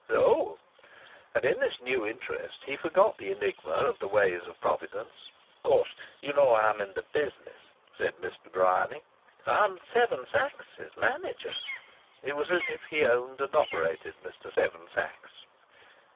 "Oh!" And in this new interest he forgot the enigma of the ways of Providence. "Of course, you know, I'm in the business," said Mr. Bryany. "I'm Seven Sachs's manager." It was as if he owned and operated Mr. Seven Sachs.